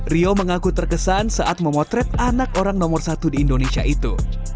rio mengaku terkesan saat memotret anak orang nomor satu di indonesia itu